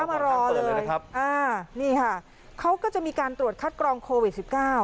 โอ้โหนี่ค่ะเขาก็จะมีการตรวจคัดกรองโควิดสิบเก้า